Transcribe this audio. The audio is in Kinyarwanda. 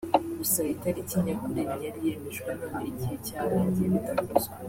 gusa itariki nyakuri ntiyari yemejwe none igihe cyarangiye bidakozwe